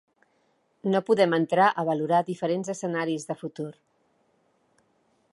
No podem entrar a valorar diferents escenaris de futur.